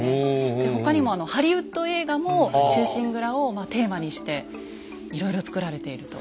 で他にもあのハリウッド映画も「忠臣蔵」をテーマにしていろいろ作られていると。